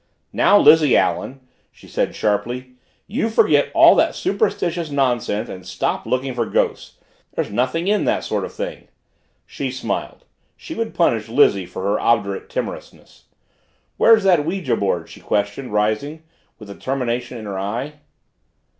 "Now, Lizzie Allen!" she said sharply, "you forget all that superstitious nonsense and stop looking for ghosts! There's nothing in that sort of thing." She smiled she would punish Lizzie for her obdurate timorousness. "Where's that ouija board?" she questioned, rising, with determination in her eye.